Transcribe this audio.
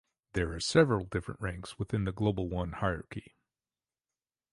There are several different ranks within the Global One hierarchy.